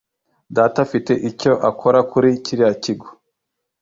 Data afite icyo akora kuri kiriya kigo